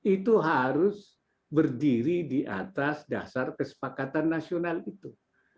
itu harus berdiri di atas dasar kesepakatan nasional itu